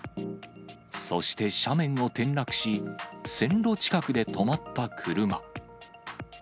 そして斜面を転落し、線路近くで止まった車。